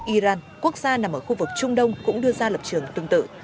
iran quốc gia nằm ở khu vực trung đông cũng đưa ra lập trường tương tự